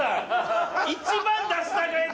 一番出したないやつ！